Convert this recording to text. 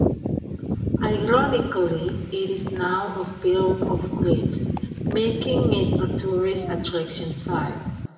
Ironically it is now a field of graves, making it a tourist attraction site.